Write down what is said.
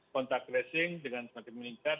kontak tracing dengan semakin meningkat